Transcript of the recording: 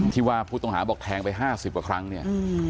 ที่ว่าผู้ต้องหาบอกแทงไป๕๐กว่าครั้งเนี่ย